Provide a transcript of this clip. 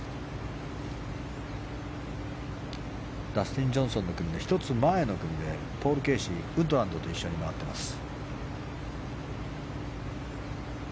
ダスティン・ジョンソンの組の１つ前の組でポール・ケーシーウッドランドと一緒に回っています。